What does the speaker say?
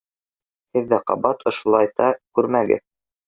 Һеҙ ҙә ҡабат ошолайта күрмәгеҙ.